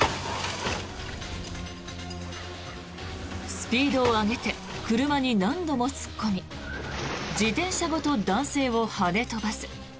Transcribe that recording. スピードを上げて車に何度も突っ込み自転車ごと男性をはね飛ばす。